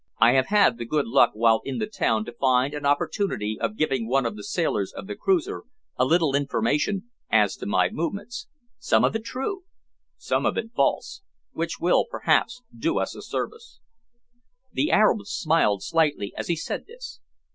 I have had the good luck while in the town to find an opportunity of giving one of the sailors of the cruiser a little information as to my movements some of it true, some of it false which will perhaps do us a service." The Arab smiled slightly as he said this.